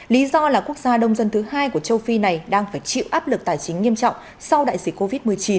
lý do là quốc gia đông dân thứ hai của châu phi này đang phải chịu áp lực tài chính nghiêm trọng sau đại dịch covid một mươi chín